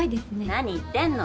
何言ってんの！